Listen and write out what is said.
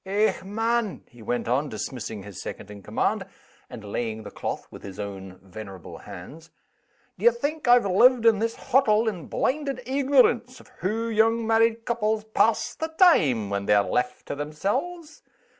Eh, man!" he went on, dismissing his second in command, and laying the cloth with his own venerable hands, "d'ye think I've lived in this hottle in blinded eegnorance of hoo young married couples pass the time when they're left to themselves?